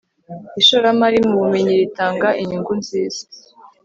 ishoramari mu bumenyi ritanga inyungu nziza